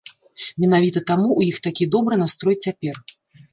Менавіта таму ў іх такі добры настрой цяпер.